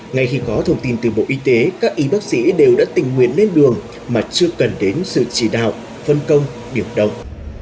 ngay khi có thông tin từ bộ y tế các y bác sĩ đều đã tình nguyện lên đường mà chưa cần đến sự chỉ đạo phân công điều động